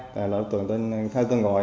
là đối tượng tên theo tôi gọi